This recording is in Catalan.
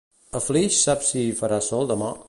A Flix saps si hi farà sol demà?